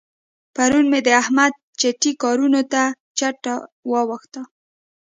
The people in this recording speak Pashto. پرون مې د احمد چټي کارو ته چته واوښته.